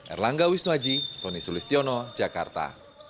erlangga wisnuaji soni sulistiono jakarta